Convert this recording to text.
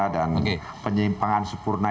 dan penyimpangan sempurna